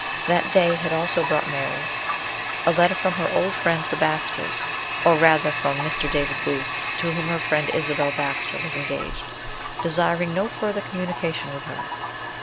That day had also brought Mary a letter from her old friends the Baxters, or rather from Mr. David Booth, to whom her friend Isabel Baxter was engaged, desiring no further communication with her.